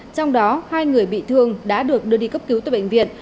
trong đó hai người bị thương đã được đưa đi cấp cứu tại bệnh viện